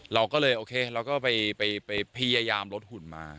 เราก็เลยโอเคเราก็ไปพยายามลดหุ่นมา